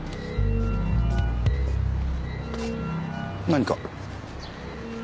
何か？